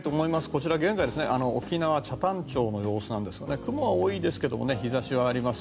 こちら現在の沖縄北谷町の様子ですが雲は多いですが日差しはあります。